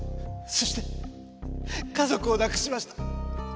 そして家族を亡くしました。